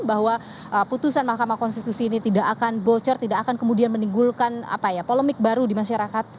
bahwa putusan mahkamah konstitusi ini tidak akan bocor tidak akan kemudian menimbulkan polemik baru di masyarakat